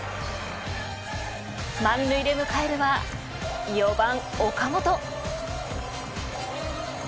満塁で迎えるは４番、岡本。